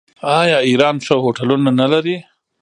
آیا ایران ښه هوټلونه نلري؟